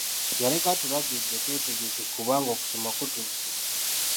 Yaleka atulagidde twetegeke kubanga okusoma kutuuse.